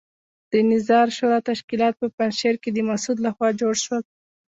د نظار شورا تشکیلات په پنجشیر کې د مسعود لخوا جوړ شول.